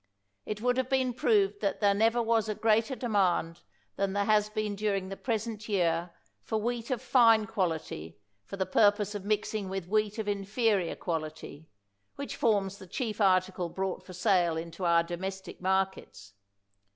It would have been proved that there never was a greater demand than there has been during the present year for wheat of fine quality for the purpose of mixing with wheat of inferior quality , which forms the chief article brought for sale into our domestic mar kets.